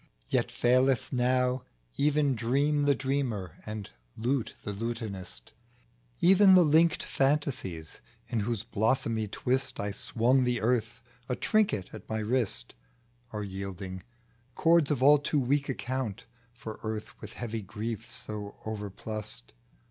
Yea, faileth now even dream The dreamer, and the lute the lutanist ; Even the linked fantasies, in whose blossomy twist I_swimg the earth A trinket at my. JKtist T Are yielding ; cords of all too weak account For earth with heavy griefs so overplussed.